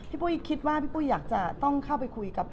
ปุ้ยคิดว่าพี่ปุ้ยอยากจะต้องเข้าไปคุยกับ